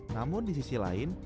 namun di sisi lain